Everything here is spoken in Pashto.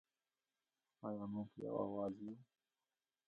آیا موږ یو اواز یو؟